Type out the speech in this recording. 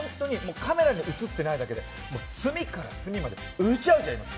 カメラに映ってないだけで隅から隅までうじゃうじゃいます。